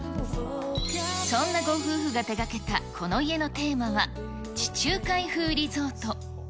そんなご夫婦が手がけたこの家のテーマは、地中海風リゾート。